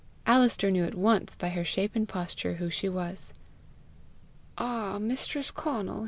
Alister knew at once by her shape and posture who she was. "Ah, mistress Conal!"